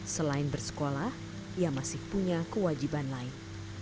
selain bersekolah ia masih punya kewajiban lain